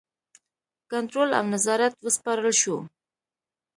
کنټرول او نظارت وسپارل شو.